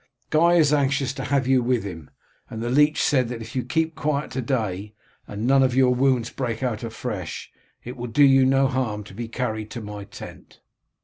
Guy is anxious to have you with him, and the leech said that if you keep quiet to day, and none of your wounds break out afresh, it will do you no harm to be carried to my tent."